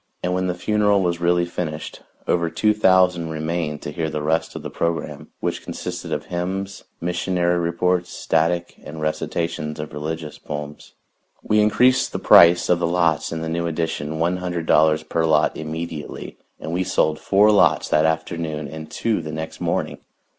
And when the funeral was really finished, over two thousand remained to hear the rest of the program, which consisted of hymns, missionary reports, static and recitations of religious poems. We increased the price of the lots in the new addition one hundred dollars per lot immediately, and we sold four lots that afternoon and two the next morning.